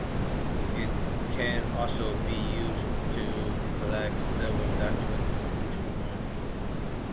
It can also be used to collect several documents into one.